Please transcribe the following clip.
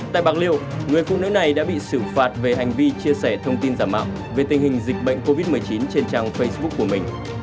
tại bạc liêu người phụ nữ này đã bị xử phạt về hành vi chia sẻ thông tin giả mạo về tình hình dịch bệnh covid một mươi chín trên trang facebook của mình